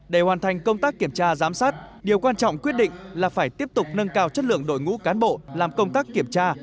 để hoàn thành công tác kiểm tra giám sát điều quan trọng quyết định là phải tiếp tục nâng cao chất lượng đội ngũ cán bộ làm công tác kiểm tra